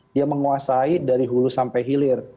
dia menguasai dari hulu sampai hilir